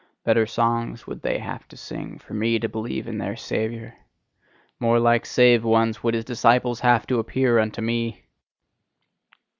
Better songs would they have to sing, for me to believe in their Saviour: more like saved ones would his disciples have to appear unto me!